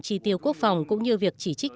chi tiêu quốc phòng cũng như việc chỉ trích